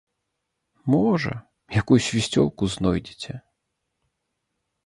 Можа, якую свісцёлку знойдзеце.